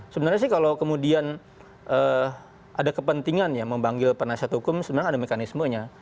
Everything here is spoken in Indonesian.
sebenarnya sih kalau kemudian ada kepentingan ya memanggil penasihat hukum sebenarnya ada mekanismenya